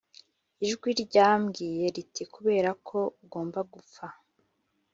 ijwi ryambwiye riti kubera ko ugomba gupfa